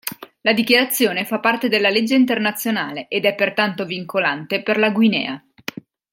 La Dichiarazione fa parte della legge internazionale ed è pertanto vincolante per la Guinea.